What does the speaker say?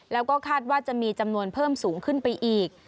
แล้วก็คาดว่าจะมีจำนวนเพิ่มสูงขึ้นไปอีก